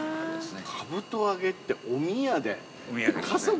かぶとあげっておみやで。